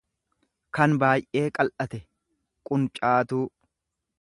kan baay'ee qal'ate, quncaatuu.